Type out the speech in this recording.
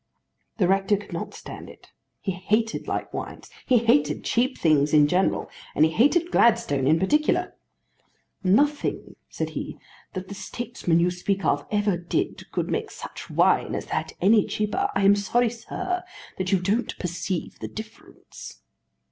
The rector could not stand it. He hated light wines. He hated cheap things in general. And he hated Gladstone in particular. "Nothing," said he, "that the statesman you speak of ever did could make such wine as that any cheaper. I am sorry, sir, that you don't perceive the difference."